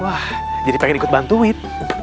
wah jadi pengen ikut bantuin